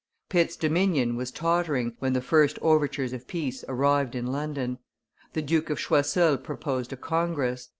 Pitt's dominion was tottering when the first overtures of peace arrived in London. The Duke of Choiseul proposed a congress.